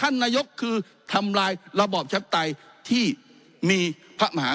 ท่านนายกคือทำร้ายระบอบประชาธิปไตยที่มีพระมหาคศัตริย์